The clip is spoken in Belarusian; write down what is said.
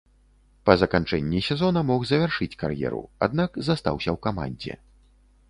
Па заканчэнні сезона мог завяршыць кар'еру, аднак застаўся ў камандзе.